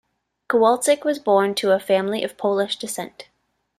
Kowalczyk was born to a family of Polish descent.